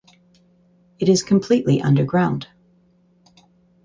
It is completely underground.